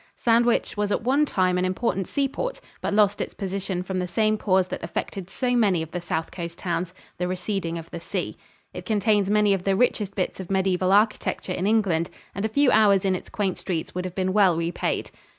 Sandwich was at one time an important seaport, but lost its position from the same cause that affected so many of the south coast towns the receding of the sea. It contains many of the richest bits of mediaeval architecture in England, and a few hours in its quaint streets would have been well repaid.